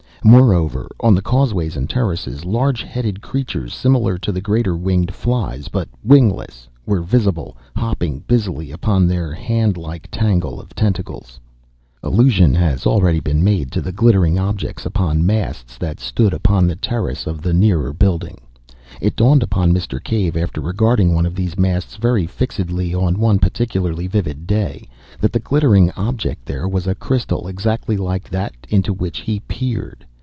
Moreover, on the causeways and terraces, large headed creatures similar to the greater winged flies, but wingless, were visible, hopping busily upon their hand like tangle of tentacles. Allusion has already been made to the glittering objects upon masts that stood upon the terrace of the nearer building. It dawned upon Mr. Cave, after regarding one of these masts very fixedly on one particularly vivid day, that the glittering object there was a crystal exactly like that into which he peered.